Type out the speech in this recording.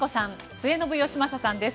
末延吉正さんです。